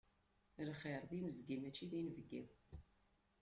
Lxiṛ d imezgi, mačči d inebgi.